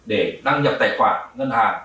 để đăng nhập tài khoản ngân hàng